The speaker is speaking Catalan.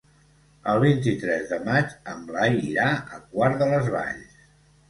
El vint-i-tres de maig en Blai irà a Quart de les Valls.